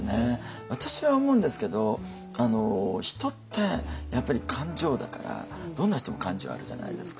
私は思うんですけど人ってやっぱり感情だからどんな人も感情あるじゃないですか。